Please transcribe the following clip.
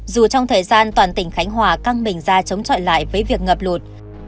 dù trong thời gian toàn tỉnh khánh hòa căng mình ra chống chọi lại với việc ngập lụt